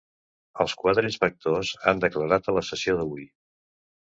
Els quatre inspectors han declarat a la sessió d'avui